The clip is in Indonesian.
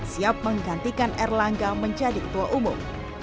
siap menggantikan erlangga menjadi ketua umum